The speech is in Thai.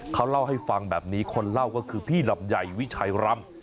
เขาเล่าให้ฟังแบบนี้คนเล่าก็คือพี่ลำใหญ่วิชัยรำ